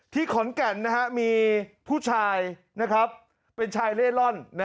ขอนแก่นมีผู้ชายเป็นชายเล่ร่อน